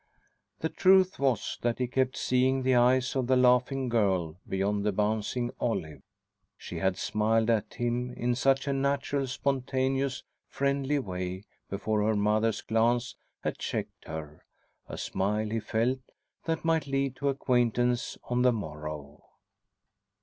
The truth was that he kept seeing the eyes of the laughing girl beyond the bouncing olive. She had smiled at him in such a natural, spontaneous, friendly way before her mother's glance had checked her a smile, he felt, that might lead to acquaintance on the morrow.